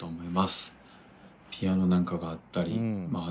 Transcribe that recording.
ピアノなんかがあったりまあ